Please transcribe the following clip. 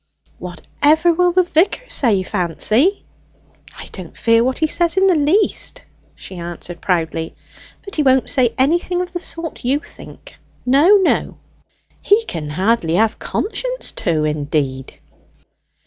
"Whatever will the vicar say, Fancy?" "I don't fear what he says in the least!" she answered proudly. "But he won't say anything of the sort you think. No, no." "He can hardly have conscience to, indeed."